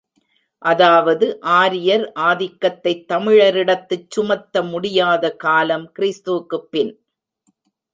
அதாவது ஆரியர் ஆதிக்கத்தைத் தமிழரிடத்துச் சுமத்த முடியாத காலம் கி.பி.